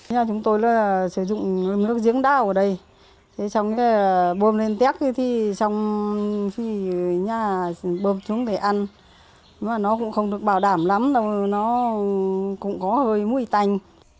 nó cũng không được bảo đảm lắm nó cũng có hơi mùi tành